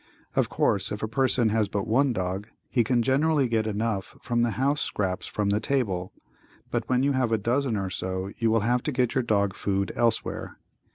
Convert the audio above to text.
Of course, if a person has but one dog, he can generally get enough from the house scraps from the table, but when you have a dozen or so you will have to get your dog food elsewhere.